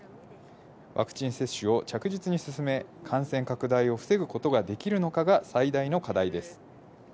ワクチン接種を着実に進め、感染拡大を防ぐことができるのかが最大の課題です。